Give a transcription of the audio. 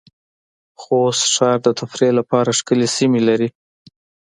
خوست ښار د تفریح لپاره ښکلې سېمې لرې